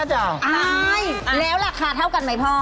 ใช่แล้วราคาเท่ากันไหมพ่อ